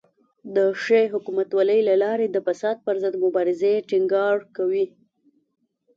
د ښې حکومتولۍ له لارې د فساد پر ضد مبارزې ټینګار کوي.